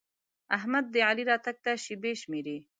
احمد د علي راتګ ته شېبې شمېري.